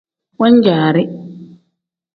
Wan-jaari.